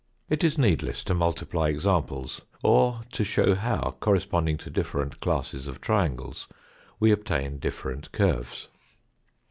It is needless to multiply examples, or to show how, corresponding to different classes of triangles, we obtain different curves.